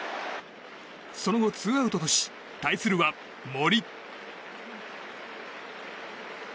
その後、ツーアウトとし対するは森。